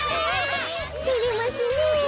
てれますねえはな